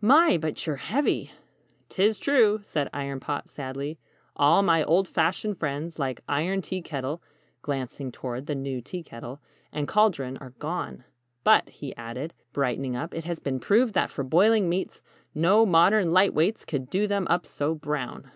"My, but you're heavy!" "'Tis true," said Iron Pot, sadly, "all my old fashioned friends, like Iron Tea Kettle glancing toward the new Tea Kettle and Caldron, are gone. But," he added, brightening up, "it has been proved that for boiling meats, no modern 'light weights' could 'do them up so brown!'"